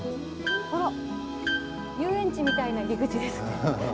あっ遊園地みたいな入り口ですね。